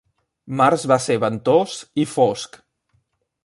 Març va ser ventós i fosc.